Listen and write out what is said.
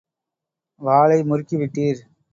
வாலை முறுக்கி விட்டீர்!